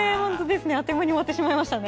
あっという間に終わってしまいましたね。